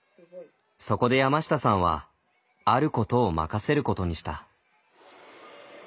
そこで山下さんはあることを任せることにした。